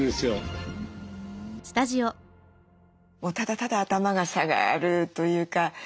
もうただただ頭が下がるというか。